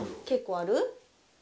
結構ある？